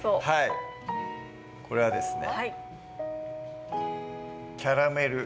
これはですね